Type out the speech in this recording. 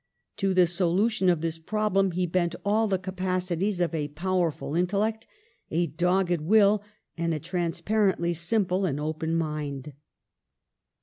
To the solution of this problem he bent all the capacities of a powerful intellect, a dogged will, and a transparently simple and open mind.